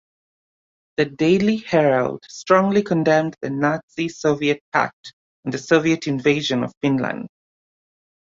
The "Daily Herald" strongly condemned the Nazi-Soviet Pact and the Soviet invasion of Finland.